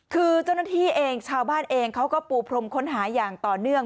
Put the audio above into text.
คือเจ้าหน้าที่เองชาวบ้านเองเขาก็ปูพรมค้นหาอย่างต่อเนื่อง